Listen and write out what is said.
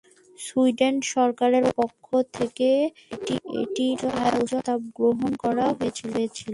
Sweden সরকারের পক্ষ থেকে এটির আয়োজনের প্রস্তাব গ্রহণ করা হয়েছিল।